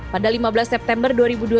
pada lima belas september dua ribu dua puluh